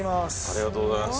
ありがとうございます。